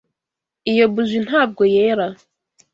iyo buji ntabwo yera.